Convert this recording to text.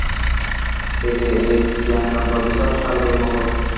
বেদের এই জ্ঞানকাণ্ড বিশাল সাগরের মত।